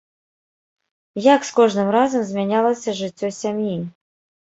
Як з кожным разам змянялася жыццё сям'і?